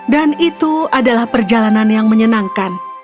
dan itu adalah perjalanan yang menyenangkan